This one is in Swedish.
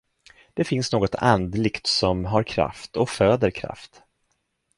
Det finns något andligt som har kraft och föder kraft.